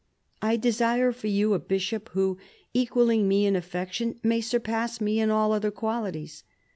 " I desire for you a bishop who, equalling me in affec tion, may surpass me in all other qualities.